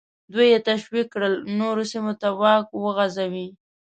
دوی یې تشویق کړل نورو سیمو ته واک وغځوي.